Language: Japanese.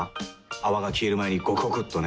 泡が消える前にゴクゴクっとね。